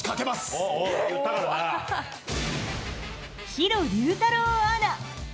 弘竜太郎アナ。